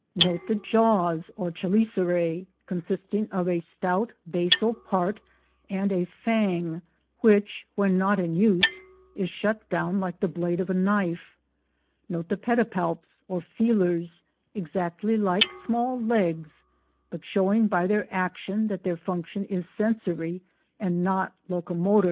Note the jaws or chelicerae, consisting of a stout basal part and a fang which, when not in use, is shut down like the blade of a knife; note the pedipalps or feelers, exactly like small legs, but showing by their action that their function is sensory and not locomotor.